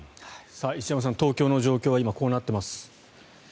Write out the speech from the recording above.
石山さん、東京の状況は今、こうなっています。